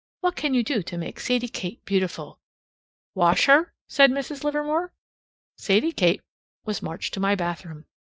What can you do to make Sadie Kate beautiful?" "Wash her," said Mrs. Livermore. Sadie Kate was marched to my bathroom.